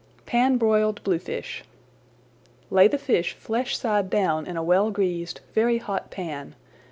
PAN BROILED BLUEFISH Lay the fish flesh side down in a well greased, very hot pan.